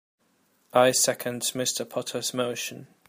I second Mr. Potter's motion.